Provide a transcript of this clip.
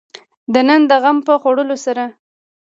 د نن د غم په خوړلو سره.